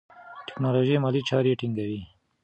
ټیکنالوژي مالي چارې چټکوي.